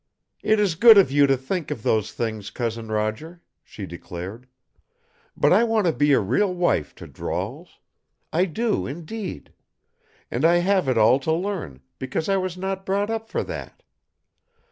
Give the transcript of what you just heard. "It is good of you to think of those things, Cousin Roger," she declared. "But, I want to be a real wife to Drawls. I do, indeed! And I have it all to learn because I was not brought up for that.